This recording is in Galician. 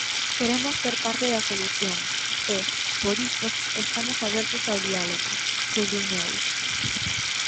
Queremos ser parte da solución e, por iso, estamos abertos ao diálogo, subliñou.